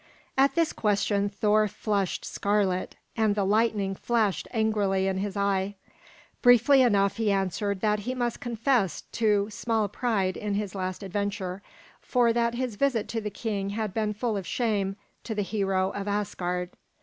At this question Thor flushed scarlet, and the lightning flashed angrily in his eye. Briefly enough he answered that he must confess to small pride in his last adventure, for that his visit to the king had been full of shame to the hero of Asgard.